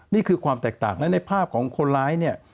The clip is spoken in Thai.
นี่คือความแตกต่างและในภาพของคนร้ายเนี่ย